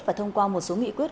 và thông qua một số nghị quyết